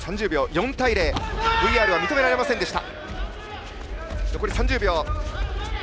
ＶＲは認められませんでした。